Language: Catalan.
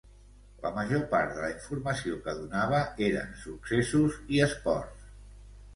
La major part de la informació que donava eren successos i esports.